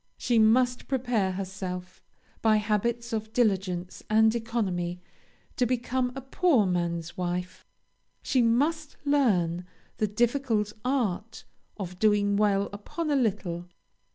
She must prepare herself, by habits of diligence and economy, to become a poor man's wife. She must learn the difficult art of doing well upon a little.